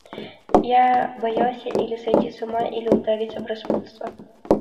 Я боялся или сойти с ума, или удариться в распутство.